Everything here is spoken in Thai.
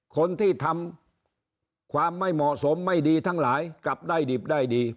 คนที่ทำความไม่เหมาะสมไม่ดีทั้งหลายกลับได้ดิบได้ดี